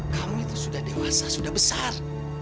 kamu itu sudah dewasa sudah besar